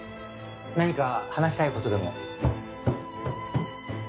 何か話したい事でも？